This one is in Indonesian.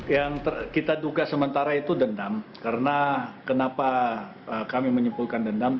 yang kita duga sementara itu dendam karena kenapa kami menyimpulkan dendam